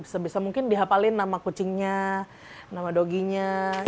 sebisa mungkin dihapalin nama kucingnya nama doginya